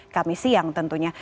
kami siang tentunya